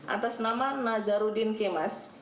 atas nama nazaruddin kemas